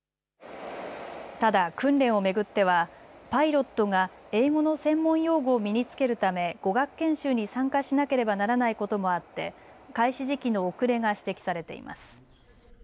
ただ訓練を巡ってはパイロットが英語の専門用語を身につけるため語学研修に参加しなければならないこともあって開始時期の遅れが指摘されています。